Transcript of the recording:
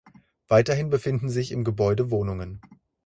Weiterhin befinden sich im Gebäude Wohnungen.